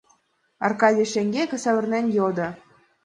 — Аркаш шеҥгеке савырнен йодо.